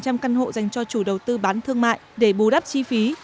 hai mươi căn hộ dành cho chủ đầu tư bán thương mại để bù đắp chi phí